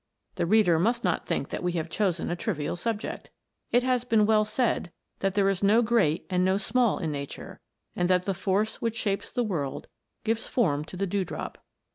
The reader must not think that we have chosen a trivial subject. It has been well said, that there is no great and no small in nature, and that the force which shapes the world gives form to the dewdrop.